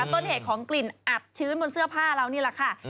ต้นเหตุของกลิ่นอับชื้นบนเสื้อผ้าเรานี่แหละค่ะ